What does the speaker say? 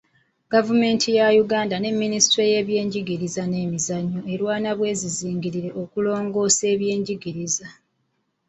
Gavumenti ya Uganda ne Minisitule y'ebyenjigiriza n'emizannyo erwana bweziringirire okulongoosa ebyenjigiriza.